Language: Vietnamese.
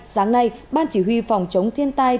sáng nay ban chỉ huy phòng chống thiên tai